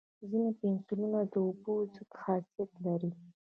ځینې پنسلونه د اوبو ضد خاصیت لري.